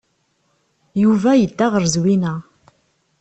Yuba yedda ɣer Zwina.